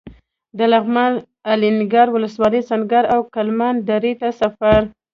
د لغمان الینګار ولسوالۍ سنګر او کلمان درې ته سفر.